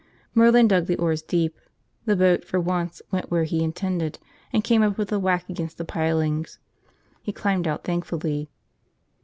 Merlin dug the oars deep. The boat, for once, went where he intended and came up with a whack against the pilings. He climbed out thankfully.